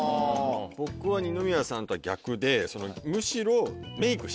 僕は二宮さんとは逆でむしろ。